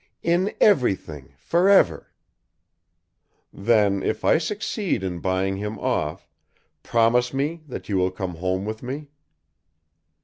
"In everything, forever!" "Then if I succeed in buying him off, promise me that you will come home with me."